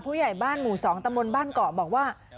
ผู้ใหญ่บ้านหมู่๒ตำบลบ้านเกาะบอกว่า